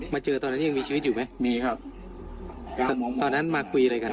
เจอตอนนั้นยังมีชีวิตอยู่ไหมมีครับตอนนั้นมาคุยอะไรกัน